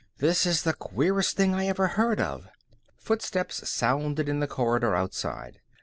This is the queerest thing I ever heard of." Footsteps sounded in the corridor outside.